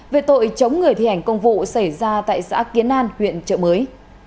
về tội chống người thi hành công vụ xảy ra tại xã kiến an huyện trợ mới